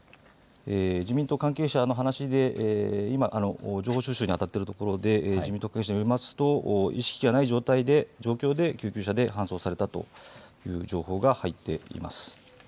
自民党関係者の話で今、情報収集にあたっているところで、関係者の話によりますと意識がない状況で救急車で搬送されたという情報が入っています。